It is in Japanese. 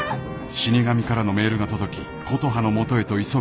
［死神からのメールが届き琴葉の元へと急ぐ玲奈］